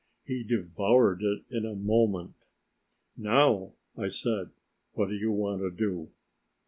He devoured it in a moment. "Now," I said, "what do you want to do?"